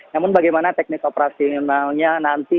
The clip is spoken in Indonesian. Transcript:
namun bagaimana teknik operasionalnya nanti